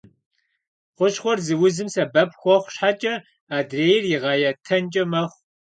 Хущхъуэр зы узым сэбэп хуэхъу щхьэкӏэ, адрейр игъэятэнкӏэ мэхъу.